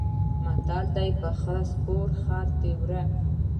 متل دی: په خره سپور خر ترې ورک.